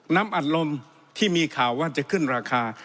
อัดลมที่มีข่าวว่าจะขึ้นราคา